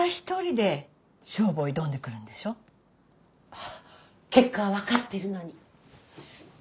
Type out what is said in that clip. ああ結果はわかっているのに。